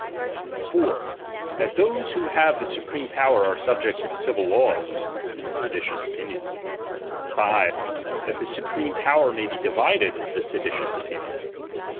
4> Tiiat those who have Ike supreme poreer «3re subject to Ike civil laws is a seditious opiuton. 5. That Ike •supreme pouter may be divided is a seditious opinion.